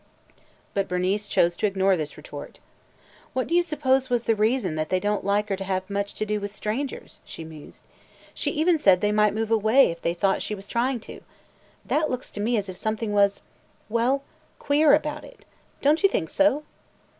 But Bernice chose to ignore this retort. "What do you suppose was the reason that they don't like her to have much to do with strangers?" she mused. "She even said they might move away if they thought she was trying to. That looks to me as if something was – well, queer about it. Don't you think so?"